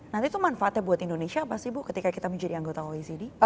nanti itu manfaatnya buat indonesia apa sih bu ketika kita menjadi anggota oecd